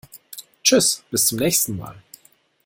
Tschüss, bis zum nächsen Mal!